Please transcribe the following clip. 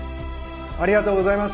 ありがとうございます。